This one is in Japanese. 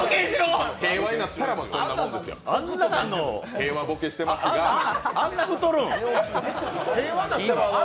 平和ぼけしていますがあんな太るん？